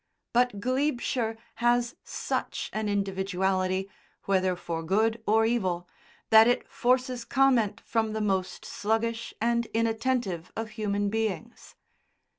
But Glebeshire has such an individuality, whether for good or evil, that it forces comment from the most sluggish and inattentive of human beings.